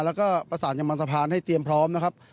แล้วก็ประสานยังมันสะพานให้เตรียมพร้อมนะครับ